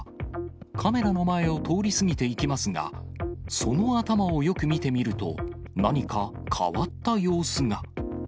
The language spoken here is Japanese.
カメラの前を通り過ぎていきますが、その頭をよく見てみると、何か変わった様子が。